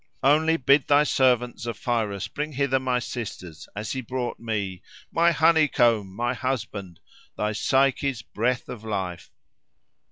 Only bid thy servant Zephyrus bring hither my sisters, as he brought me. My honeycomb! My husband! Thy Psyche's breath of life!"